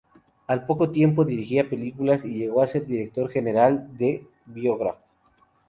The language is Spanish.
Al poco tiempo dirigía películas y llegó a ser director general de Biograph.